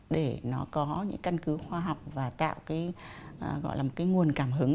để nó có những căn cứ khoa học và tạo một nguồn cảm hứng